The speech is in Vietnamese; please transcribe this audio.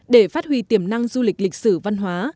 để phát huy tiềm năng du lịch lịch sử văn hóa